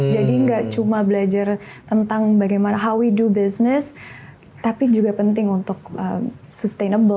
jadi gak cuma belajar tentang bagaimana how we do business tapi juga penting untuk sustainable gitu